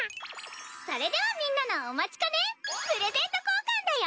それではみんなのお待ちかねプレゼント交換だよ！